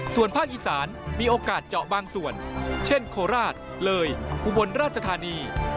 ส่วนภาคอีสานมีโอกาสเจาะบางส่วนเช่นโคราชเลยอุบลราชธานี